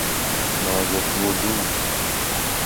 نازک وجود